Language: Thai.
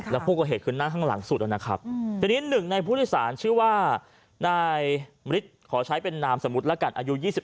แต่นี่๑ในผุดศาลชื่อว่านายลิดขอใช้เป็นนามสมุทรละกันอายุ๒๑